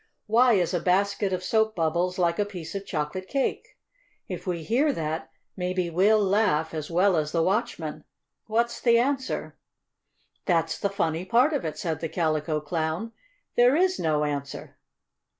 Why is a basket of soap bubbles like a piece of chocolate cake? If we hear that, maybe we'll laugh, as well as the watchman. What's the answer?" "That's the funny part of it!" said the Calico Clown. "There is no answer."